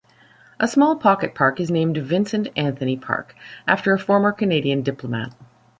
A small pocket park is named Vincent Anthony park, after a former Canadian diplomat.